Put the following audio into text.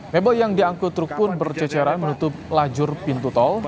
mebel yang diangkut truk pun berceceran menutup lajur pintu tol